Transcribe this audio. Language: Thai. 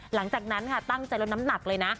หลังจากนั้นค่ะตั้งใจลดน้ำหนักเลยนะ